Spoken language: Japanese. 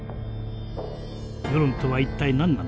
世論とは一体何なのか。